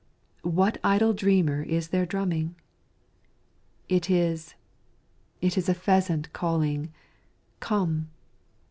what idle dreamer there is drumming? It is it is a pheasant calling "Come!"